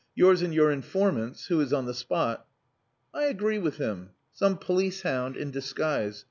"Yours and your informant's, who is on the spot." "I agree with him. Some police hound in disguise.